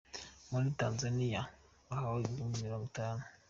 muri Tanzania ahawe ibihumbi mirongo itanu